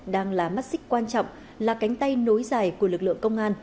đang là mắt xích quan trọng là cánh tay nối dài của lực lượng công an